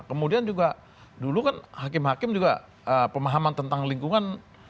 kemudian juga dulu kan hakim hakim juga pemahaman tentang lingkungan